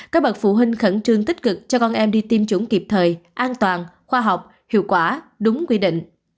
các bậc phụ huynh khẩn trương tích cực cho con em đi tiêm chủng kịp thời an toàn khoa học hiệu quả đúng quy định